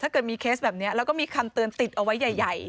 เกิดมีเคสแบบนี้แล้วก็มีคำเตือนติดเอาไว้ใหญ่